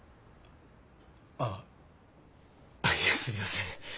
あああっいやすみません。